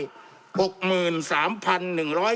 จำนวนเนื้อที่ดินทั้งหมด๑๒๒๐๐๐ไร่